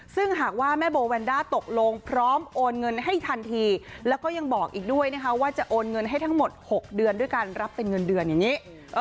ซึ่งหากว่าแม่โบแวนด้าตกลงพร้อมโอนเงินให้ทันทีแล้วก็ยังบอกอีกด้วยนะคะว่าจะโอนเงินให้ทั้งหมด๖เดือนด้วยการรับเป็นเงินเดือนอย่างนี้